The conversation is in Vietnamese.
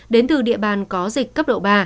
đến từ địa bàn có dịch cấp độ ba